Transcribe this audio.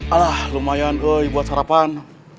alah lumayan uy buat sarapan